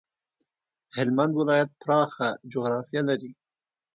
هلمند ولایت پراخه جغرافيه لري.